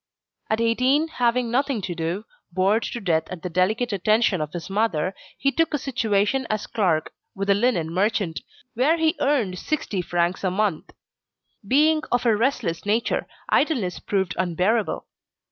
At eighteen, having nothing to do, bored to death at the delicate attention of his mother, he took a situation as clerk with a linen merchant, where he earned 60 francs a month. Being of a restless nature idleness proved unbearable.